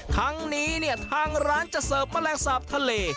ทั้งนี้เนี่ยทางร้านจะเสิร์ฟแมลงสาปทะเล